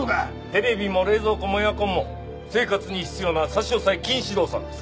テレビも冷蔵庫もエアコンも生活に必要な差押禁止動産です。